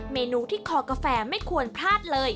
เมนูที่คอกาแฟไม่ควรพลาดเลย